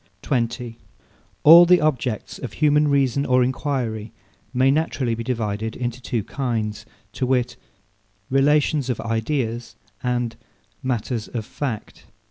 20. All the objects of human reason or enquiry may naturally be divided into two kinds, to wit, Relations of Ideas, and Matters of Fact.